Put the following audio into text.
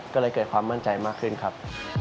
ก็เลยเกิดความมั่นใจมากขึ้นครับ